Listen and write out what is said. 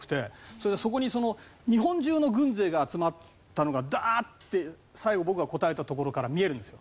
それでそこにその日本中の軍勢が集まったのがダーッて最後僕が答えた所から見えるんですよ